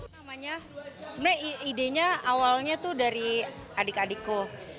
sebenarnya idenya awalnya tuh dari adik adikku